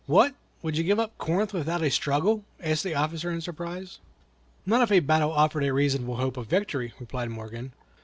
"What! would you give up Corinth without a struggle?" asked the officer, in surprise. "Not if a battle offered a reasonable hope of victory," replied Morgan.